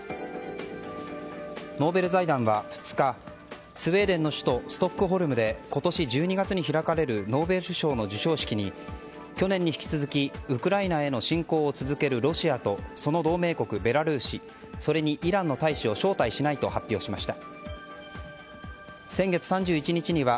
ノーベル財団は２日スウェーデンの首都ストックホルムで今年１２月に開かれるノーベル賞の授賞式に去年に引き続きウクライナへの侵攻を続けるロシアとその同盟国ベラルーシそれにイランの大使を招待しないと発表しました。